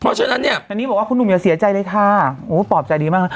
เพราะฉะนั้นเนี่ยอันนี้บอกว่าคุณหนุ่มอย่าเสียใจเลยค่ะโอ้ปลอบใจดีมากนะ